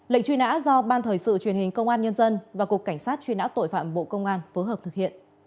lệnh truy nã do ban thời sự truyền hình công an nhân dân và cục cảnh sát truy nã tội phạm bộ công an phối hợp thực hiện